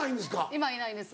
今いないんです。